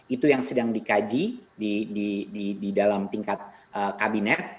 itu yang sedang dikaji di dalam tingkat kabinet